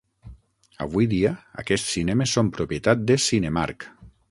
Avui dia aquests cinemes són propietat de Cinemark.